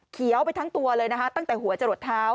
เขียวไปทั้งตัวเลยนะคะตั้งแต่หัวจะหลดเท้า